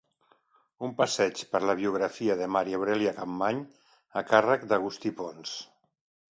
Un passeig per la biografia de Maria Aurèlia Capmany a càrrec d'Agustí Pons.